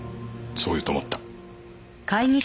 そう言うと思った。